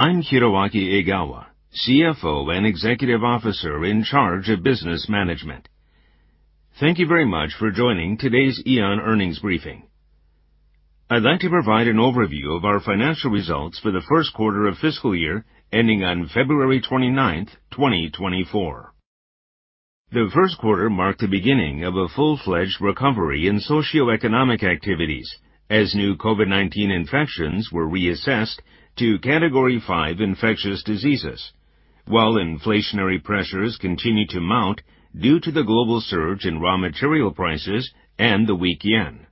I'm Hiroaki Egawa, CFO and Executive Officer in charge of Business Management. Thank you very much for joining today's AEON earnings briefing. I'd like to provide an overview of our financial results for the first quarter of fiscal year ending on February 29, 2024. The first quarter marked the beginning of a full-fledged recovery in socioeconomic activities as new COVID-19 infections were reassessed to Category 5 infectious diseases, while inflationary pressures continued to mount due to the global surge in raw material prices and the weak yen.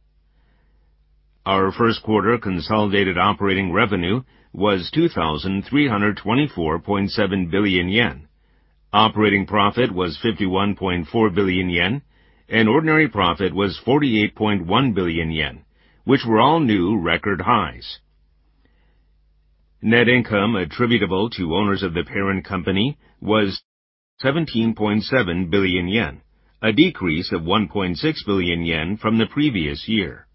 Our first quarter consolidated operating revenue was 2,324.7 billion yen. Operating profit was 51.4 billion yen, and ordinary profit was 48.1 billion yen, which were all new record highs. Net income attributable to owners of the parent company was 17.7 billion yen, a decrease of 1.6 billion yen from the previous year.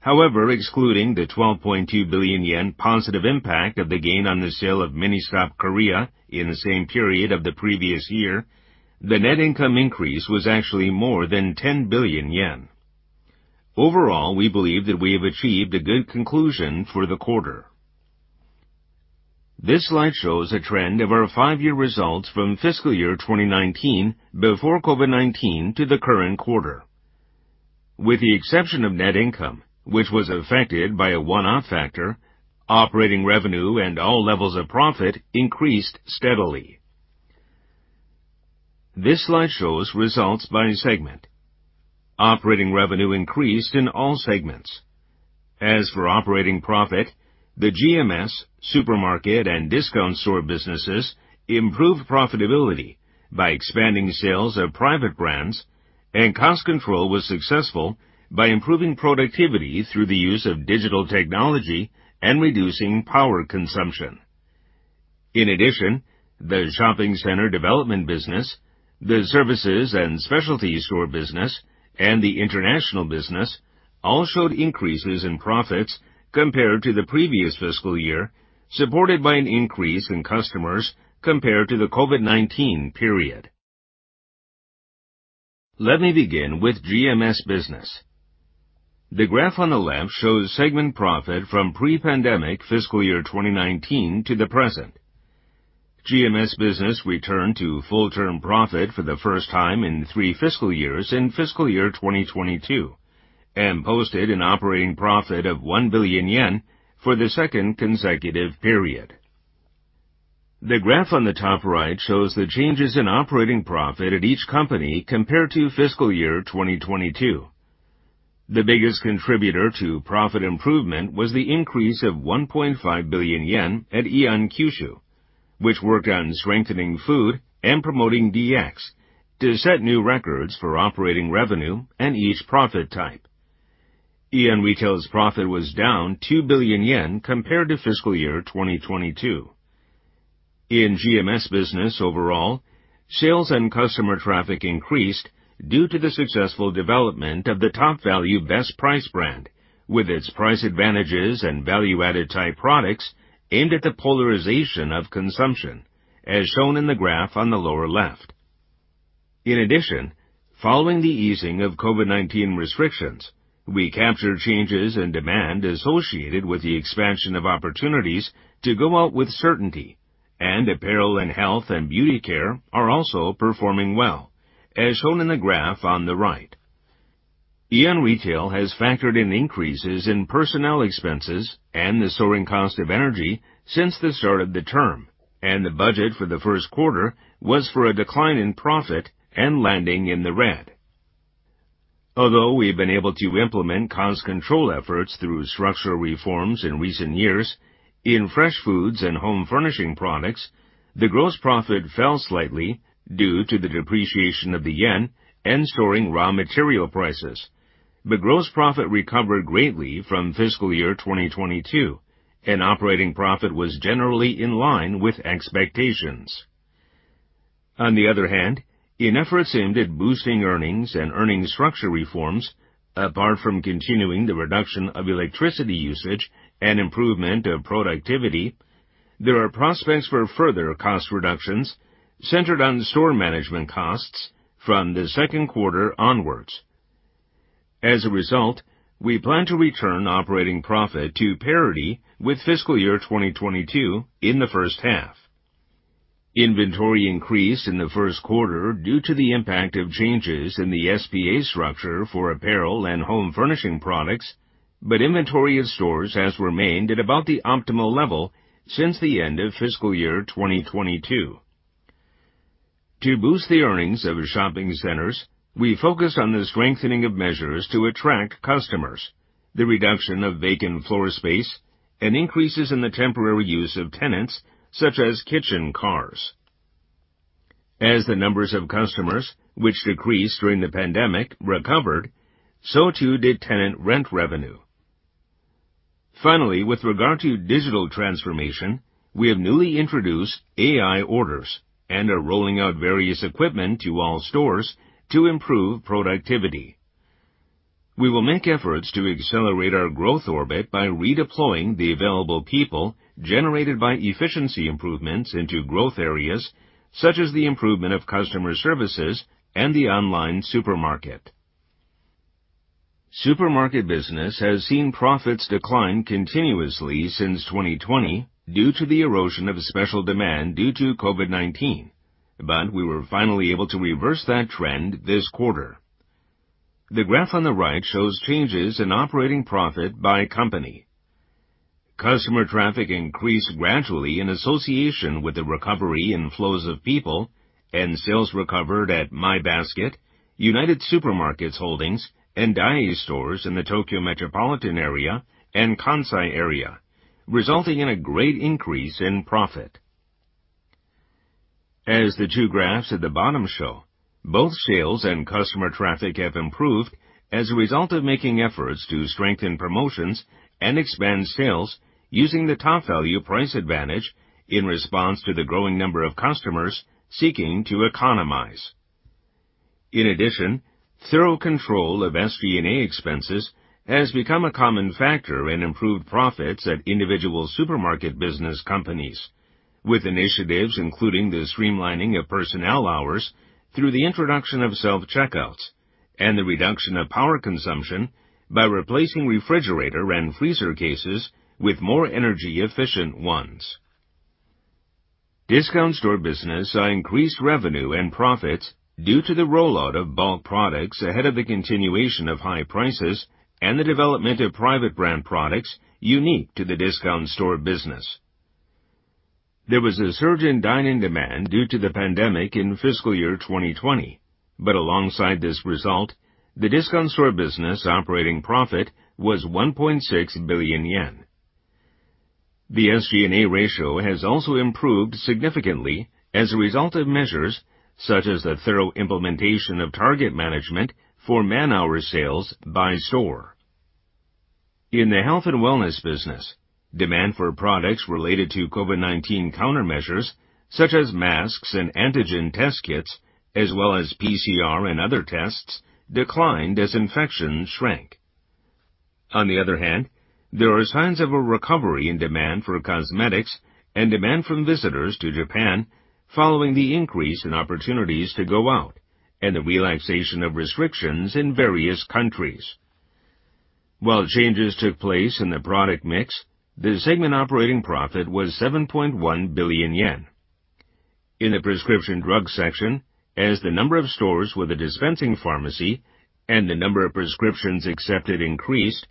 However, excluding the 12.2 billion yen positive impact of the gain on the sale of Ministop Korea in the same period of the previous year, the net income increase was actually more than 10 billion yen. Overall, we believe that we have achieved a good conclusion for the quarter. This slide shows a trend of our five-year results from fiscal year 2019 before COVID-19 to the current quarter. With the exception of net income, which was affected by a one-off factor, operating revenue and all levels of profit increased steadily. This slide shows results by segment. Operating revenue increased in all segments. As for operating profit, the GMS, supermarket, and discount store businesses improved profitability by expanding sales of private brands, and cost control was successful by improving productivity through the use of digital technology and reducing power consumption. In addition, the shopping center development business, the services and specialty store business, and the international business all showed increases in profits compared to the previous fiscal year, supported by an increase in customers compared to the COVID-19 period. Let me begin with GMS business. The graph on the left shows segment profit from pre-pandemic fiscal year 2019 to the present. GMS business returned to full-term profit for the first time in three fiscal years in fiscal year 2022, and posted an operating profit of 1 billion yen for the second consecutive period. The graph on the top right shows the changes in operating profit at each company compared to fiscal year 2022. The biggest contributor to profit improvement was the increase of 1.5 billion yen at AEON KYUSHU, which worked on strengthening food and promoting DX to set new records for operating revenue and each profit type. AEON Retail's profit was down 2 billion yen compared to fiscal year 2022. In GMS business overall, sales and customer traffic increased due to the successful development of the TOPVALU BestPrice brand, with its price advantages and value-added type products aimed at the polarization of consumption, as shown in the graph on the lower left. Following the easing of COVID-19 restrictions, we captured changes in demand associated with the expansion of opportunities to go out with certainty, and apparel and health and beauty care are also performing well, as shown in the graph on the right. Aeon Retail has factored in increases in personnel expenses and the soaring cost of energy since the start of the term, and the budget for the first quarter was for a decline in profit and landing in the red. Although we've been able to implement cost control efforts through structural reforms in recent years, in fresh foods and home furnishing products, the gross profit fell slightly due to the depreciation of the yen and soaring raw material prices. Gross profit recovered greatly from fiscal year 2022, and operating profit was generally in line with expectations. On the other hand, in efforts aimed at boosting earnings and earnings structure reforms, apart from continuing the reduction of electricity usage and improvement of productivity, there are prospects for further cost reductions centered on store management costs from the second quarter onwards. As a result, we plan to return operating profit to parity with fiscal year 2022 in the first half. Inventory increased in the first quarter due to the impact of changes in the SBA structure for apparel and home furnishing products, but inventory in stores has remained at about the optimal level since the end of fiscal year 2022. To boost the earnings of shopping centers, we focused on the strengthening of measures to attract customers, the reduction of vacant floor space, and increases in the temporary use of tenants, such as kitchen cars. The numbers of customers, which decreased during the pandemic, recovered, so too did tenant rent revenue. With regard to digital transformation, we have newly introduced AI orders and are rolling out various equipment to all stores to improve productivity. We will make efforts to accelerate our growth orbit by redeploying the available people generated by efficiency improvements into growth areas, such as the improvement of customer services and the online supermarket. Supermarket business has seen profits decline continuously since 2020 due to the erosion of special demand due to COVID-19, we were finally able to reverse that trend this quarter. The graph on the right shows changes in operating profit by company. Customer traffic increased gradually in association with the recovery in flows of people. Sales recovered at My Basket, United Super Markets Holdings, and Daiei stores in the Tokyo Metropolitan area and Kansai area, resulting in a great increase in profit. As the two graphs at the bottom show, both sales and customer traffic have improved as a result of making efforts to strengthen promotions and expand sales using the TOPVALU price advantage in response to the growing number of customers seeking to economize. In addition, thorough control of SG&A expenses has become a common factor in improved profits at individual supermarket business companies, with initiatives including the streamlining of personnel hours through the introduction of self-checkouts and the reduction of power consumption by replacing refrigerator and freezer cases with more energy-efficient ones. Discount store business saw increased revenue and profits due to the rollout of bulk products ahead of the continuation of high prices and the development of private brand products unique to the discount store business. There was a surge in dine-in demand due to the pandemic in fiscal year 2020. Alongside this result, the discount store business operating profit was 1.6 billion yen. The SG&A ratio has also improved significantly as a result of measures such as the thorough implementation of target management for man-hour sales by store. In the health and wellness business, demand for products related to COVID-19 countermeasures, such as masks and antigen test kits, as well as PCR and other tests, declined as infections shrank. There are signs of a recovery in demand for cosmetics and demand from visitors to Japan following the increase in opportunities to go out and the relaxation of restrictions in various countries. While changes took place in the product mix, the segment operating profit was 7.1 billion yen. In the prescription drug section, as the number of stores with a dispensing pharmacy and the number of prescriptions accepted increased,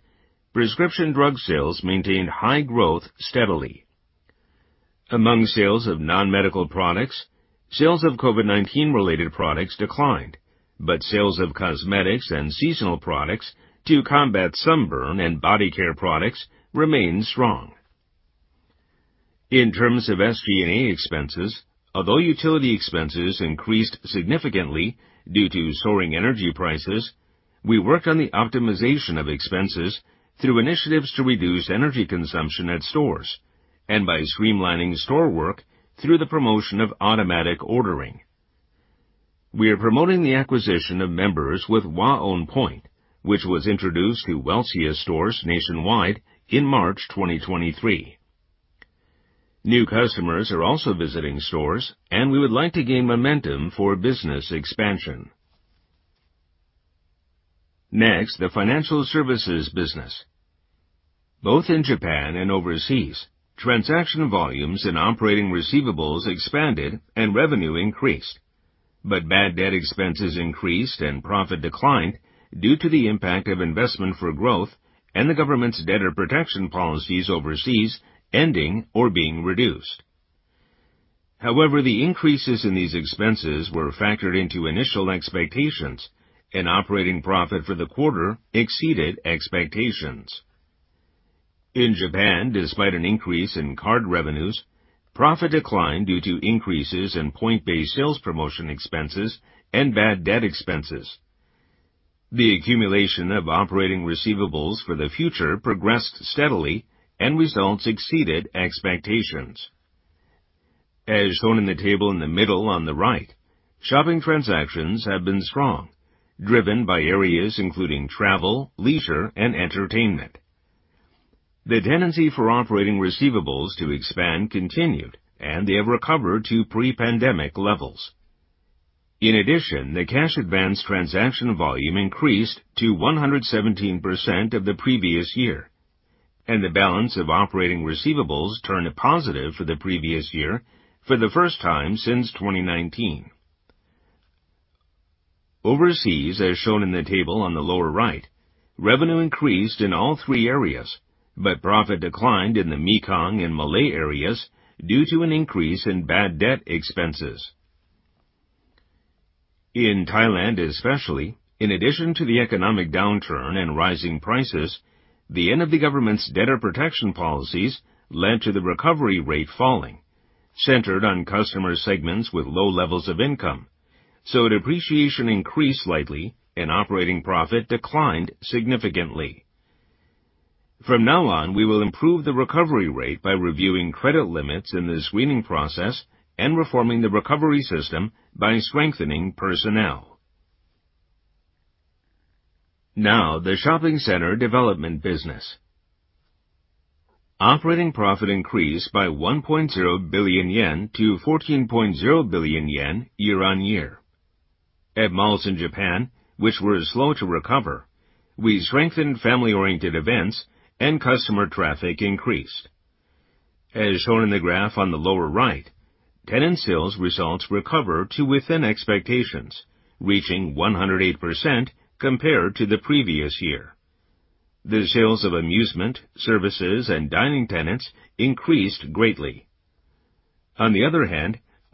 prescription drug sales maintained high growth steadily. Among sales of non-medical products, sales of COVID-19 related products declined, but sales of cosmetics and seasonal products to combat sunburn and body care products remained strong. In terms of SG&A expenses, although utility expenses increased significantly due to soaring energy prices, we worked on the optimization of expenses through initiatives to reduce energy consumption at stores and by streamlining store work through the promotion of automatic ordering. We are promoting the acquisition of members with WAON POINT, which was introduced to Welcia stores nationwide in March 2023. New customers are also visiting stores, and we would like to gain momentum for business expansion. Next, the financial services business. Both in Japan and overseas, transaction volumes and operating receivables expanded and revenue increased, but bad debt expenses increased and profit declined due to the impact of investment for growth and the government's debtor protection policies overseas ending or being reduced. However, the increases in these expenses were factored into initial expectations, and operating profit for the quarter exceeded expectations. In Japan, despite an increase in card revenues, profit declined due to increases in point-based sales promotion expenses and bad debt expenses. The accumulation of operating receivables for the future progressed steadily and results exceeded expectations. As shown in the table in the middle on the right, shopping transactions have been strong, driven by areas including travel, leisure, and entertainment. The tendency for operating receivables to expand continued. They have recovered to pre-pandemic levels. In addition, the cash advance transaction volume increased to 117% of the previous year. The balance of operating receivables turned positive for the previous year for the first time since 2019. Overseas, as shown in the table on the lower right, revenue increased in all three areas. Profit declined in the Mekong and Malay areas due to an increase in bad debt expenses. In Thailand especially, in addition to the economic downturn and rising prices, the end of the government's debtor protection policies led to the recovery rate falling, centered on customer segments with low levels of income, so depreciation increased slightly and operating profit declined significantly. From now on, we will improve the recovery rate by reviewing credit limits in the screening process and reforming the recovery system by strengthening personnel. The shopping center development business. Operating profit increased by 1.0 billion yen to 14.0 billion yen year-on-year. At malls in Japan, which were slow to recover, we strengthened family-oriented events and customer traffic increased. As shown in the graph on the lower right, tenant sales results recovered to within expectations, reaching 108% compared to the previous year. The sales of amusement, services, and dining tenants increased greatly.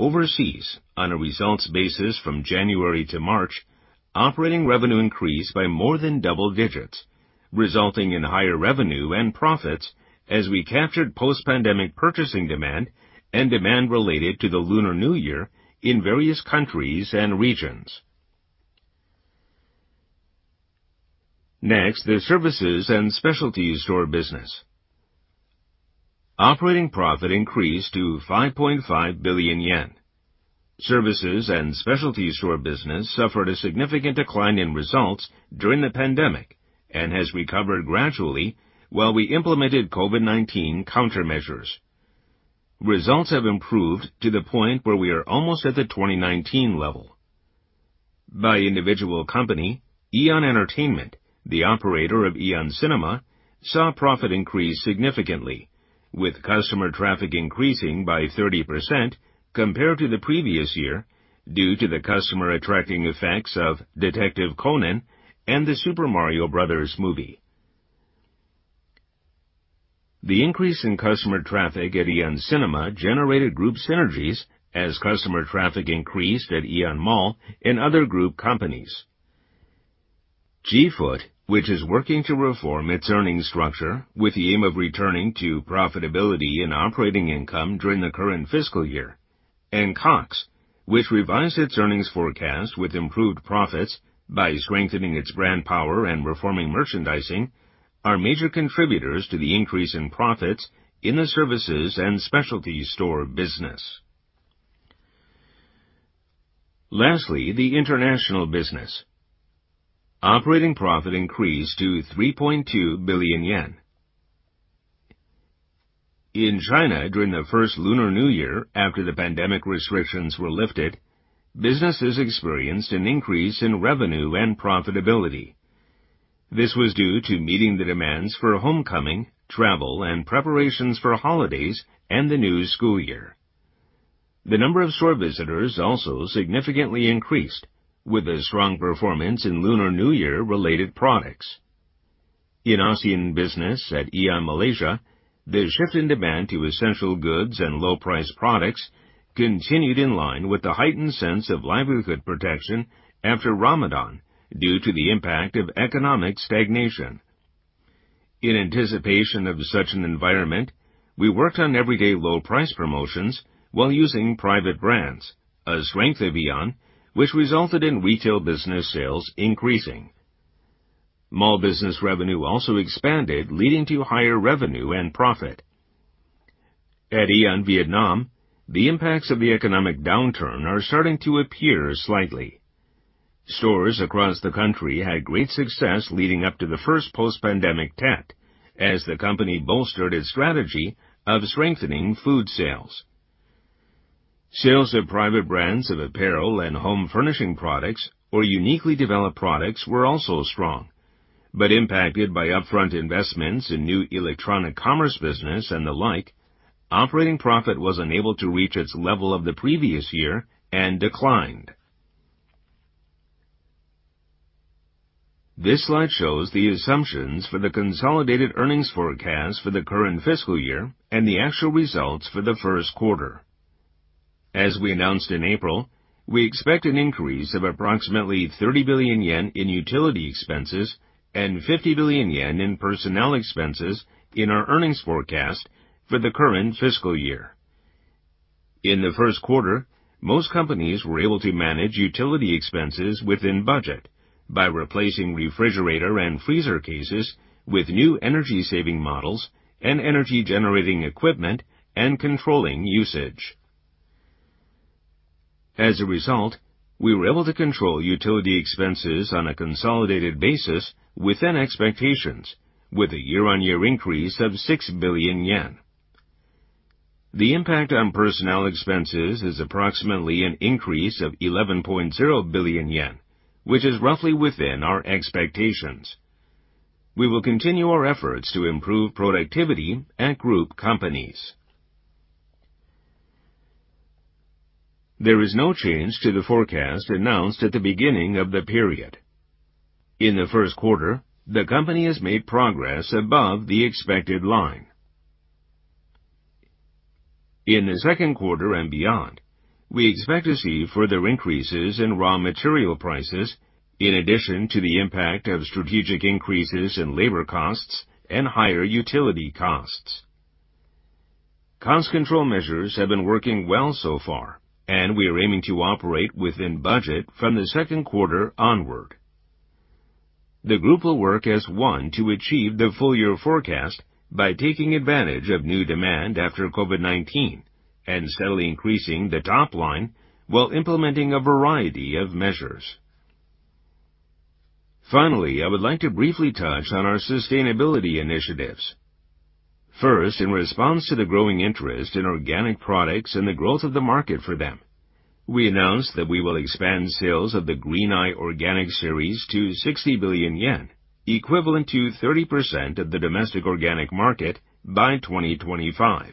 Overseas, on a results basis from January to March, operating revenue increased by more than double digits, resulting in higher revenue and profits as we captured post-pandemic purchasing demand and demand related to the Lunar New Year in various countries and regions. The services and specialty store business. Operating profit increased to 5.5 billion yen. Services and specialty store business suffered a significant decline in results during the pandemic and has recovered gradually while we implemented COVID-19 countermeasures. Results have improved to the point where we are almost at the 2019 level. By individual company, AEON Entertainment, the operator of AEON Cinema, saw profit increase significantly, with customer traffic increasing by 30% compared to the previous year, due to the customer-attracting effects of Detective Conan and The Super Mario Bros. Movie. The increase in customer traffic at AEON Cinema generated group synergies as customer traffic increased at AEON Mall and other group companies. GFoot, which is working to reform its earnings structure with the aim of returning to profitability in operating income during the current fiscal year, and COX, which revised its earnings forecast with improved profits by strengthening its brand power and reforming merchandising, are major contributors to the increase in profits in the services and specialty store business. Lastly, the international business. Operating profit increased to 3.2 billion yen. In China, during the first Lunar New Year after the pandemic restrictions were lifted, businesses experienced an increase in revenue and profitability. This was due to meeting the demands for homecoming, travel, and preparations for holidays and the new school year. The number of store visitors also significantly increased, with a strong performance in Lunar New Year-related products. In ASEAN business at AEON Malaysia, the shift in demand to essential goods and everyday low price products continued in line with the heightened sense of livelihood protection after Ramadan due to the impact of economic stagnation. In anticipation of such an environment, we worked on everyday low price promotions while using private brands, a strength of AEON, which resulted in retail business sales increasing. Mall business revenue also expanded, leading to higher revenue and profit. At AEON Vietnam, the impacts of the economic downturn are starting to appear slightly. Stores across the country had great success leading up to the first post-pandemic Tet, as the company bolstered its strategy of strengthening food sales. Sales of private brands of apparel and home furnishing products or uniquely developed products were also strong, impacted by upfront investments in new electronic commerce business and the like, operating profit was unable to reach its level of the previous year and declined. This slide shows the assumptions for the consolidated earnings forecast for the current fiscal year and the actual results for the first quarter. As we announced in April, we expect an increase of approximately 30 billion yen in utility expenses and 50 billion yen in personnel expenses in our earnings forecast for the current fiscal year. In the first quarter, most companies were able to manage utility expenses within budget by replacing refrigerator and freezer cases with new energy-saving models and energy-generating equipment and controlling usage. As a result, we were able to control utility expenses on a consolidated basis within expectations, with a year-on-year increase of 6 billion yen. The impact on personnel expenses is approximately an increase of 11.0 billion yen, which is roughly within our expectations. We will continue our efforts to improve productivity at group companies. There is no change to the forecast announced at the beginning of the period. In the first quarter, the company has made progress above the expected line. In the second quarter and beyond, we expect to see further increases in raw material prices, in addition to the impact of strategic increases in labor costs and higher utility costs. Cost control measures have been working well so far, and we are aiming to operate within budget from the second quarter onward. The group will work as one to achieve the full year forecast by taking advantage of new demand after COVID-19 and steadily increasing the top line while implementing a variety of measures. I would like to briefly touch on our sustainability initiatives. In response to the growing interest in organic products and the growth of the market for them, we announced that we will expand sales of the Green-Eye organic Series to 60 billion yen, equivalent to 30% of the domestic organic market by 2025.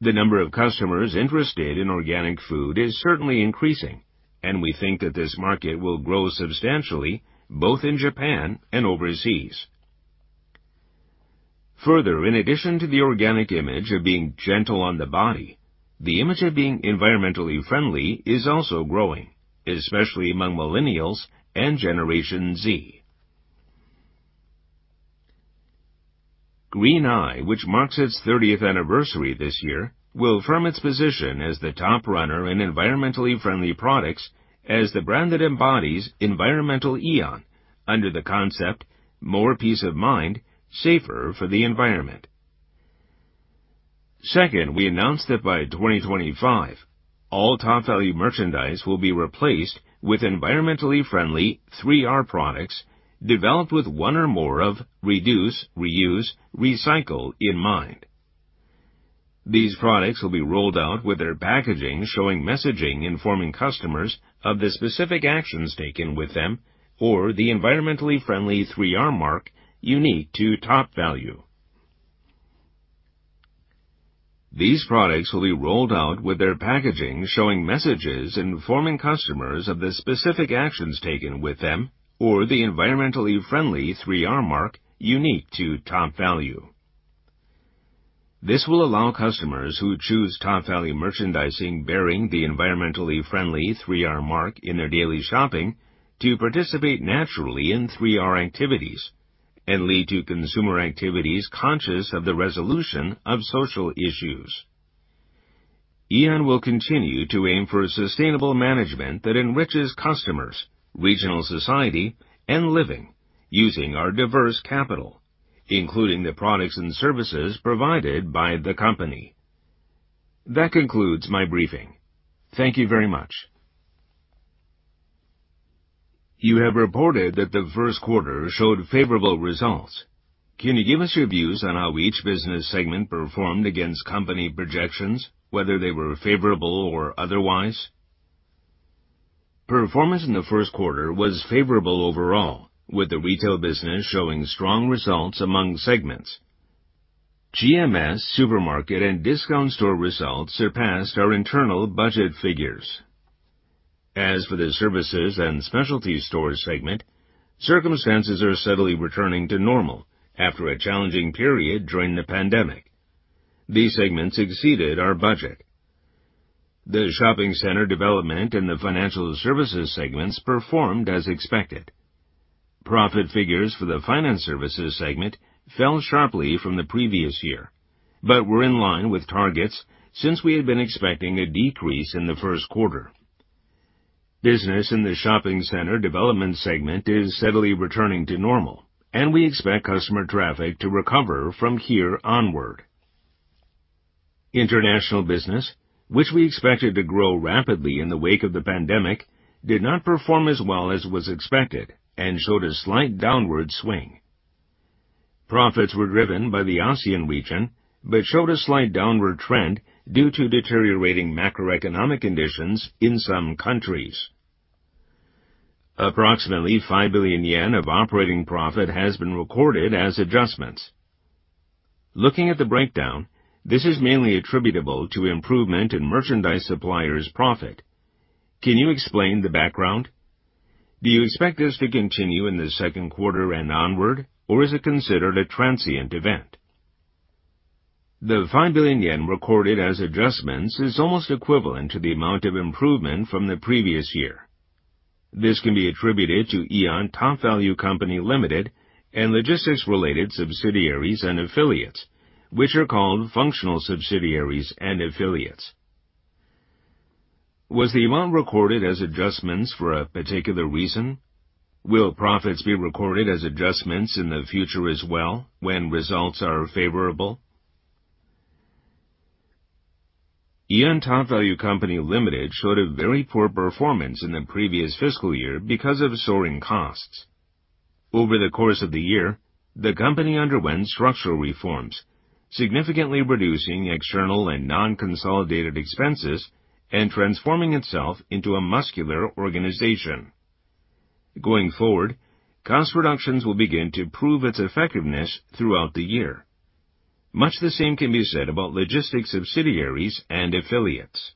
The number of customers interested in organic food is certainly increasing, and we think that this market will grow substantially, both in Japan and overseas. In addition to the organic image of being gentle on the body, the image of being environmentally friendly is also growing, especially among Millennials and Generation Z. Green-Eye, which marks its 30th anniversary this year, will firm its position as the top runner in environmentally friendly products as the brand that embodies environmental AEON under the concept, more peace of mind, safer for the environment. Second, we announced that by 2025, all TOPVALU merchandise will be replaced with environmentally friendly 3R products developed with one or more of reduce, reuse, recycle in mind. These products will be rolled out with their packaging, showing messaging informing customers of the specific actions taken with them or the environmentally friendly 3R mark unique to TOPVALU. This will allow customers who choose TOPVALU merchandising bearing the environmentally friendly 3R mark in their daily shopping to participate naturally in 3R activities and lead to consumer activities conscious of the resolution of social issues. AEON will continue to aim for a sustainable management that enriches customers, regional society, and living, using our diverse capital, including the products and services provided by the company. That concludes my briefing. Thank you very much. You have reported that the first quarter showed favorable results. Can you give us your views on how each business segment performed against company projections, whether they were favorable or otherwise? Performance in the first quarter was favorable overall, with the retail business showing strong results among segments. GMS, supermarket, and discount store results surpassed our internal budget figures. As for the services and specialty stores segment, circumstances are steadily returning to normal after a challenging period during the pandemic. These segments exceeded our budget. The shopping center development and the financial services segments performed as expected. Profit figures for the finance services segment fell sharply from the previous year, but were in line with targets since we had been expecting a decrease in the first quarter. Business in the shopping center development segment is steadily returning to normal, and we expect customer traffic to recover from here onward. International business, which we expected to grow rapidly in the wake of the pandemic, did not perform as well as was expected and showed a slight downward swing. Profits were driven by the ASEAN region, but showed a slight downward trend due to deteriorating macroeconomic conditions in some countries. Approximately 5 billion yen of operating profit has been recorded as adjustments. Looking at the breakdown, this is mainly attributable to improvement in merchandise suppliers' profit. Can you explain the background? Do you expect this to continue in the second quarter and onward, or is it considered a transient event? The 5 billion yen recorded as adjustments is almost equivalent to the amount of improvement from the previous year. This can be attributed to AEON TOPVALU Company Limited and logistics-related subsidiaries and affiliates, which are called functional subsidiaries and affiliates. Was the amount recorded as adjustments for a particular reason? Will profits be recorded as adjustments in the future as well when results are favorable? AEON TOPVALU Company Limited showed a very poor performance in the previous fiscal year because of soaring costs. Over the course of the year, the company underwent structural reforms, significantly reducing external and non-consolidated expenses and transforming itself into a muscular organization. Going forward, cost reductions will begin to prove its effectiveness throughout the year. Much the same can be said about logistics subsidiaries and affiliates.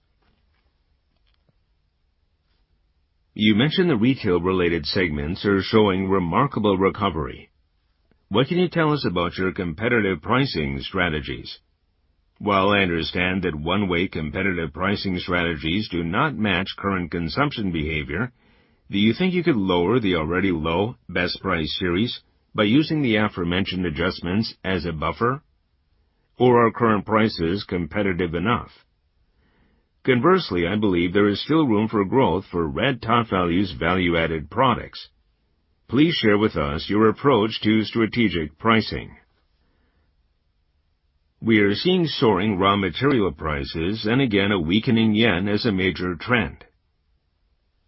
You mentioned the retail-related segments are showing remarkable recovery. What can you tell us about your competitive pricing strategies? While I understand that one-way competitive pricing strategies do not match current consumption behavior, do you think you could lower the already low BestPrice series by using the aforementioned adjustments as a buffer? Or are current prices competitive enough? Conversely, I believe there is still room for growth for red TOPVALU's value-added products. Please share with us your approach to strategic pricing. We are seeing soaring raw material prices and again, a weakening yen as a major trend.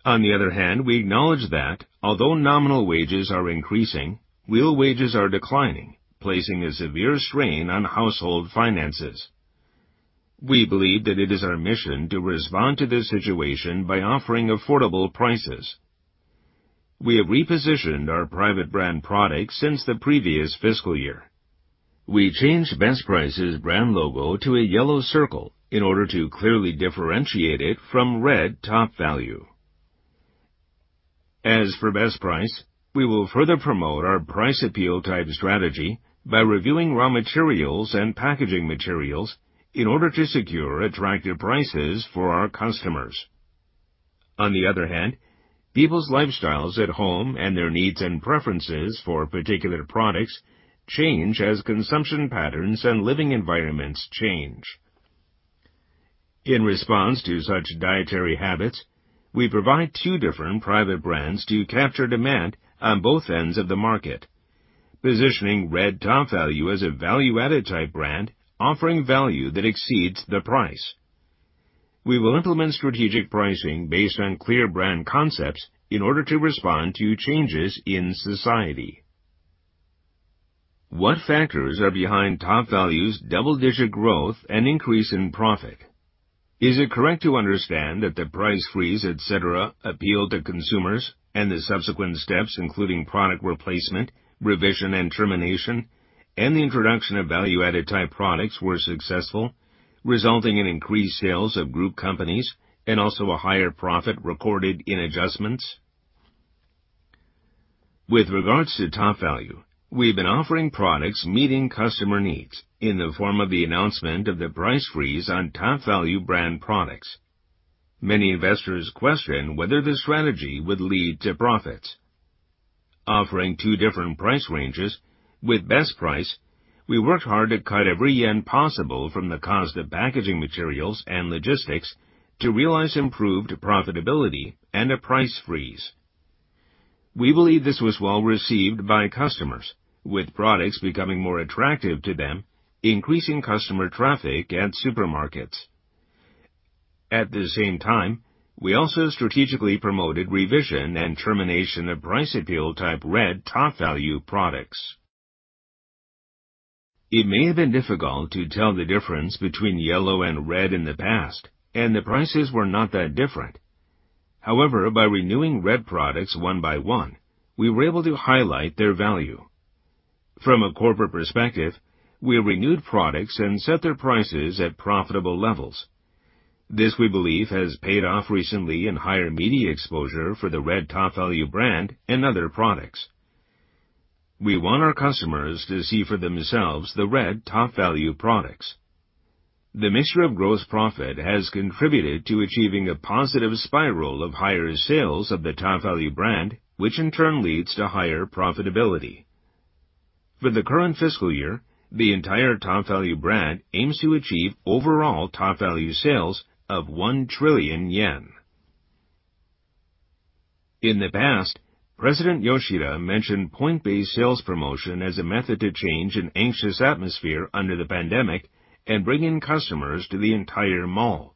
On the other hand, we acknowledge that although nominal wages are increasing, real wages are declining, placing a severe strain on household finances. We believe that it is our mission to respond to this situation by offering affordable prices. We have repositioned our private brand products since the previous fiscal year. We changed BestPrice's brand logo to a yellow circle in order to clearly differentiate it from red TOPVALU. As for BestPrice, we will further promote our price appeal type strategy by reviewing raw materials and packaging materials in order to secure attractive prices for our customers. On the other hand, people's lifestyles at home and their needs and preferences for particular products change as consumption patterns and living environments change. In response to such dietary habits, we provide two different private brands to capture demand on both ends of the market, positioning red TOPVALU as a value-added type brand, offering value that exceeds the price. We will implement strategic pricing based on clear brand concepts in order to respond to changes in society. What factors are behind TOPVALU's double-digit growth and increase in profit? Is it correct to understand that the price freeze, etc., appealed to consumers and the subsequent steps, including product replacement, revision, and termination, and the introduction of value-added type products, were successful, resulting in increased sales of group companies and also a higher profit recorded in adjustments? With regards to TOPVALU, we've been offering products meeting customer needs in the form of the announcement of the price freeze on TOPVALU brand products. Many investors question whether this strategy would lead to profits. Offering two different price ranges with BestPrice, we worked hard to cut every JPY possible from the cost of packaging materials and logistics to realize improved profitability and a price freeze. We believe this was well-received by customers, with products becoming more attractive to them, increasing customer traffic at supermarkets. At the same time, we also strategically promoted revision and termination of price appeal type red TOPVALU products. It may have been difficult to tell the difference between yellow and red in the past, and the prices were not that different. However, by renewing red products one by one, we were able to highlight their value. From a corporate perspective, we renewed products and set their prices at profitable levels. This, we believe, has paid off recently in higher media exposure for the red TOPVALU brand and other products. We want our customers to see for themselves the red TOPVALU products. The mixture of gross profit has contributed to achieving a positive spiral of higher sales of the TOPVALU brand, which in turn leads to higher profitability. For the current fiscal year, the entire TOPVALU brand aims to achieve overall TOPVALU sales of 1 trillion yen. In the past, President Yoshida mentioned point-based sales promotion as a method to change an anxious atmosphere under the pandemic and bring in customers to the entire mall.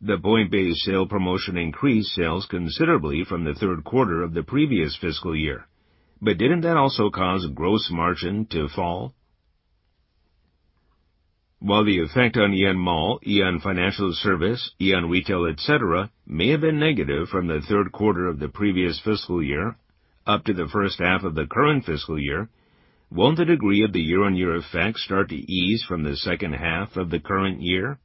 The point-based sale promotion increased sales considerably from the third quarter of the previous fiscal year. Didn't that also cause gross margin to fall? While the effect on AEON Mall, AEON Financial Service, AEON Retail, etc., may have been negative from the third quarter of the previous fiscal year up to the first half of the current fiscal year, won't the degree of the year-on-year effect start to ease from the second half of the current year?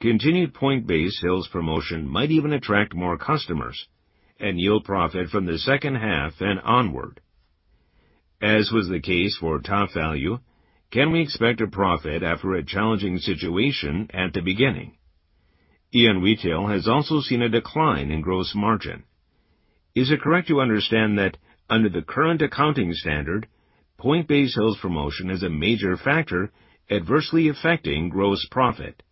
Continued point-based sales promotion might even attract more customers and yield profit from the second half and onward. As was the case for TOPVALU, can we expect a profit after a challenging situation at the beginning? AEON Retail has also seen a decline in gross margin. Is it correct to understand that under the current accounting standard, point-based sales promotion is a major factor adversely affecting gross profit?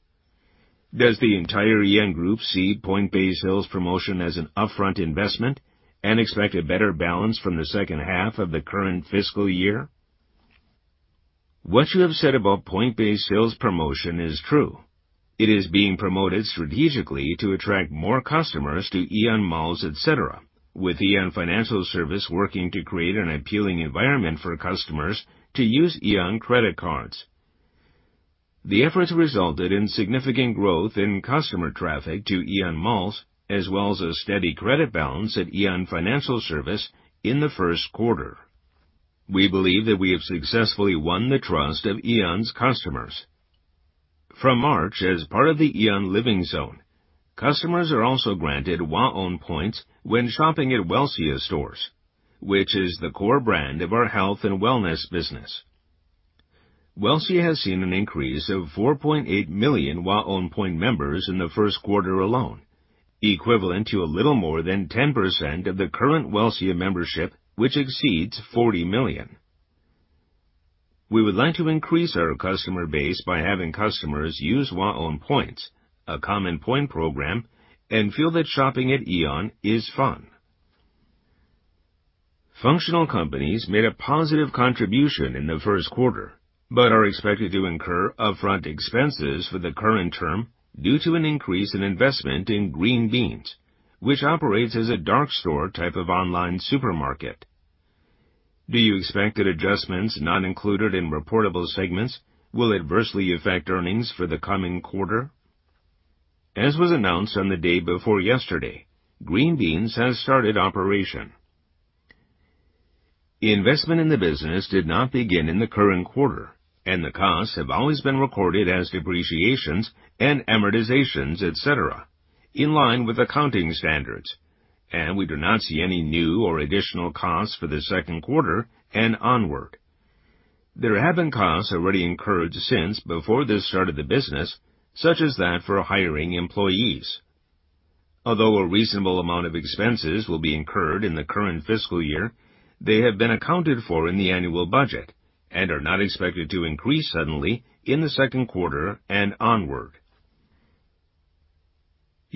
Does the entire AEON Group see point-based sales promotion as an upfront investment and expect a better balance from the second half of the current fiscal year? What you have said about point-based sales promotion is true. It is being promoted strategically to attract more customers to AEON Malls, et cetera, with AEON Financial Service working to create an appealing environment for customers to use Aeon credit cards. The efforts resulted in significant growth in customer traffic to AEON Malls, as well as a steady credit balance at AEON Financial Service in the first quarter. We believe that we have successfully won the trust of AEON's customers. From March, as part of the AEON Living Zone, customers are also granted WAON points when shopping at Welcia stores, which is the core brand of our health and wellness business. Welcia has seen an increase of 4.8 million WAON POINT members in the first quarter alone, equivalent to a little more than 10% of the current Welcia membership, which exceeds 40 million. We would like to increase our customer base by having customers use WAON POINTs, a common point program, and feel that shopping at AEON is fun. Functional companies made a positive contribution in the first quarter, but are expected to incur upfront expenses for the current term due to an increase in investment in Green Beans, which operates as a dark store type of online supermarket. Do you expect that adjustments not included in reportable segments will adversely affect earnings for the coming quarter? As was announced on the day before yesterday, Green Beans has started operation. Investment in the business did not begin in the current quarter, and the costs have always been recorded as depreciations and amortizations, etc., in line with accounting standards, and we do not see any new or additional costs for the second quarter and onward. There have been costs already incurred since before the start of the business, such as that for hiring employees. Although a reasonable amount of expenses will be incurred in the current fiscal year, they have been accounted for in the annual budget and are not expected to increase suddenly in the second quarter and onward.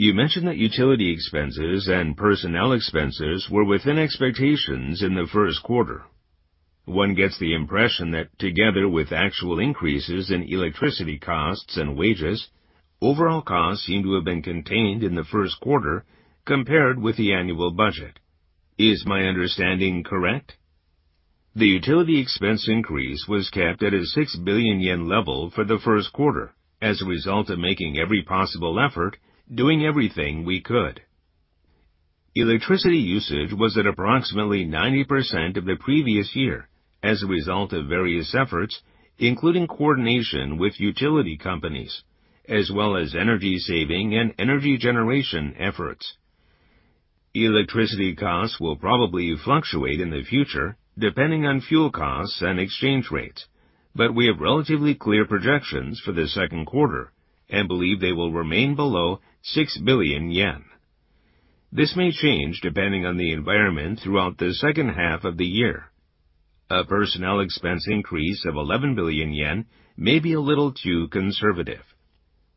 You mentioned that utility expenses and personnel expenses were within expectations in the first quarter. One gets the impression that, together with actual increases in electricity costs and wages, overall costs seem to have been contained in the first quarter compared with the annual budget. Is my understanding correct? The utility expense increase was kept at a 6 billion yen level for the first quarter as a result of making every possible effort, doing everything we could. Electricity usage was at approximately 90% of the previous year as a result of various efforts, including coordination with utility companies, as well as energy saving and energy generation efforts. Electricity costs will probably fluctuate in the future, depending on fuel costs and exchange rates, but we have relatively clear projections for the second quarter and believe they will remain below 6 billion yen. This may change depending on the environment throughout the second half of the year. A personnel expense increase of 11 billion yen may be a little too conservative.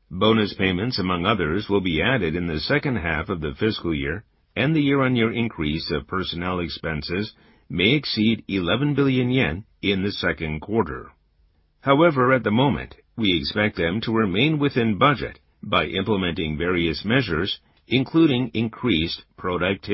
Bonus payments, among others, will be added in the second half of the fiscal year, and the year-on-year increase of personnel expenses may exceed 11 billion yen in the second quarter. At the moment, we expect them to remain within budget by implementing various measures, including increased productivity.